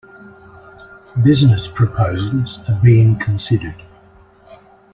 Business proposals are being considered.